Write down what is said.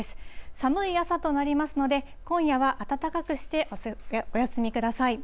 寒い朝となりますので、今夜は暖かくしてお休みください。